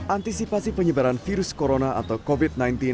antisipasi penyebaran virus corona atau covid sembilan belas